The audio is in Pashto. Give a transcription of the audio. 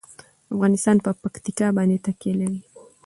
افغانستان په پکتیکا باندې تکیه لري.